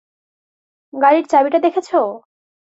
গাড়ির চাবিটা দেখেছ?